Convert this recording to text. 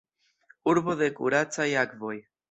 Urbo de kuracaj akvoj.